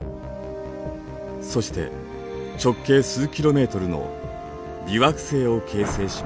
そして直径数キロメートルの微惑星を形成しました。